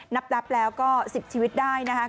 นับแล้วก็๑๐ชีวิตได้นะคะ